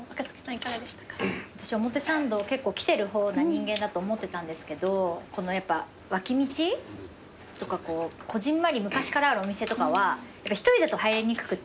結構来てる方な人間だと思ってたんですけど脇道とかこぢんまり昔からあるお店とかは１人だと入りにくくて。